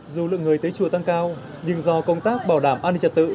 dù lượng người tới chùa tăng cao nhưng do công tác bảo đảm an ninh trật tự